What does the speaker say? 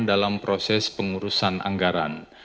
dalam proses pengurusan anggaran